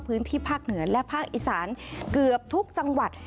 พื้นที่ภาคเหนือและภาคอีสานเกือบทุกจังหวัด